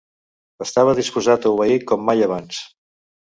Estava disposat a obeir com mai abans.